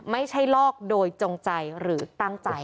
ไม่ใช่ลอกโดยจงใจหรือตั้งใจ